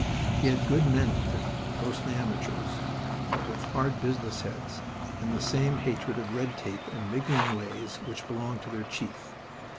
He had good men with him mostly amateurs but with hard business heads and the same hatred of red tape and niggling ways which belonged to their chief.